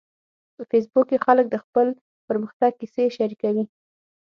په فېسبوک کې خلک د خپل پرمختګ کیسې شریکوي